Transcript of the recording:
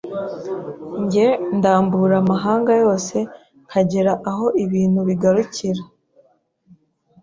njye ndambura amahanga yose nkagera aho ibintu bigarukira,